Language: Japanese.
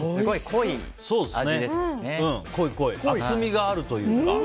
濃い、厚みがあるというか。